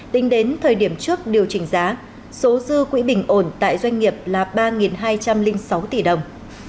tính đến thời điểm trước điều chỉnh giá số dư quỹ bình ổn tại doanh nghiệp là ba hai trăm linh sáu tỷ đồng